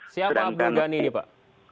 siapa abdul ghani ini pak